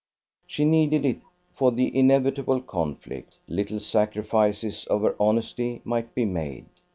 She needed it for the inevitable conflict. Little sacrifices of her honesty might be made.